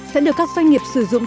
sẽ được các doanh nghiệp sử dụng